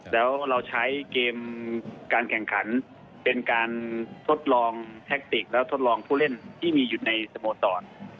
แล้วเราใช้เกมการแข่งขันเป็นการทดลองแท็กติกแล้วทดลองผู้เล่นที่มีอยู่ในสโมสร